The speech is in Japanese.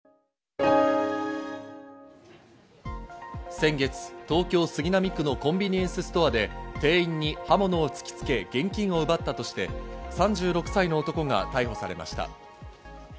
先月、東京・杉並区のコンビニエンスストアで、店員に刃物を突きつけ、現金を奪ったとして、３６歳の男が逮捕されました。